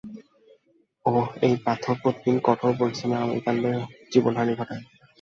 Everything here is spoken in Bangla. ওহ, এই পাথর প্রতিদিন কঠোর পরিশ্রমী আমেরিকানদের জীবনহানি ঘটায়।